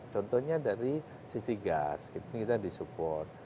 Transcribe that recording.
contohnya dari sisi gas kita di support